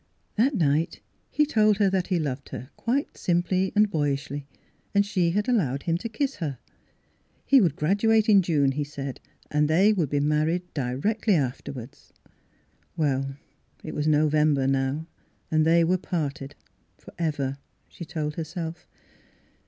That night he told her that he loved her, quite simply and boyishly, and she had allowed him to kiss her. He would gradu ate in June, he said, and they would be married directly afterward. Well, it was November now and they were parted — for ever, she told herself.